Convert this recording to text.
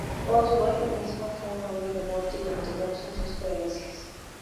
Boswell mismo fue un hombre devoto y ortodoxo en sus creencias.